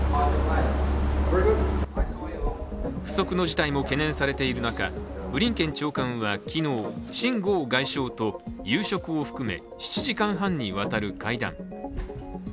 不測の事態も懸念されている中、ブリンケン長官は昨日、秦剛外相と夕食を含め７時間半にわたる会談。